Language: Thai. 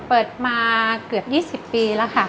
เปิดมาเกือบ๒๐ปีแล้วค่ะ